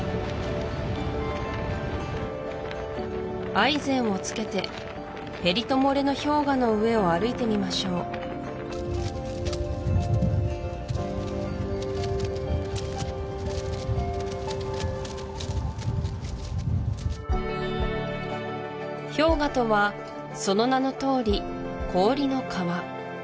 アイゼンを着けてペリト・モレノ氷河の上を歩いてみましょう氷河とはその名のとおり氷の河